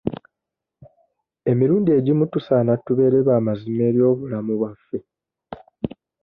Emirundi egimu tusaana tubeere ba mazima eri obulamu bwaffe?